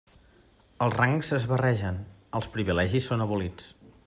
Els rangs es barregen, els privilegis són abolits.